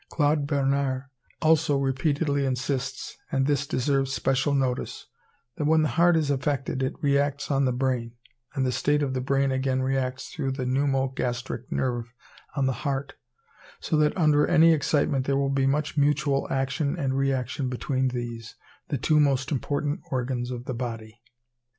Claude Bernard also repeatedly insists, and this deserves especial notice, that when the heart is affected it reacts on the brain; and the state of the brain again reacts through the pneumo gastric nerve on the heart; so that under any excitement there will be much mutual action and reaction between these, the two most important organs of the body.